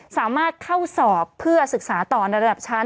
สามารถเข้าสอบเพื่อศึกษาต่อในระดับชั้น